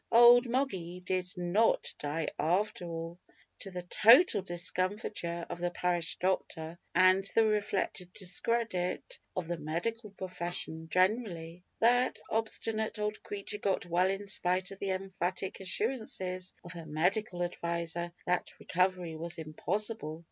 Old Moggy did not die after all! To the total discomfiture of the parish doctor, and to the reflected discredit of the medical profession generally, that obstinate old creature got well in spite of the emphatic assurances of her medical adviser that recovery was impossible.